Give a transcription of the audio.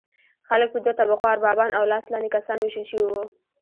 خلک په دوه طبقو اربابان او لاس لاندې کسان ویشل شوي وو.